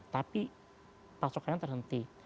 tapi pasokannya terhenti